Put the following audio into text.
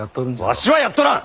わしはやっとらん！